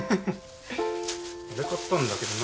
俺買ったんだけどな。